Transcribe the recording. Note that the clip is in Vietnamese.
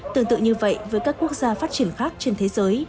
tương tự như vậy với các quốc gia phát triển khác trên thế giới